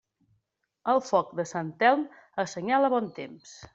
El foc de Sant Telm assenyala bon temps.